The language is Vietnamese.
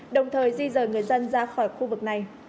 đồng thời di rời người dân ra khỏi khu vực này